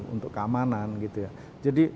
untuk keamanan gitu ya jadi